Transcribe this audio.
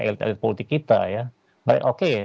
politik politik kita ya baik oke